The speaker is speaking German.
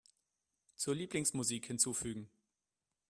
Zur Lieblingsmusik hinzufügen.